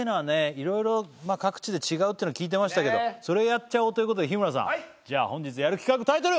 いろいろ各地で違うってのは聞いてましたけどそれをやっちゃおうということで日村さんじゃあ本日やる企画タイトル